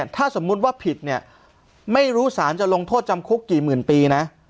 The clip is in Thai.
ถ้าสมมุติว่าผิดเนี่ยไม่รู้สารจะลงโทษจำคุกกี่หมื่นปีนะ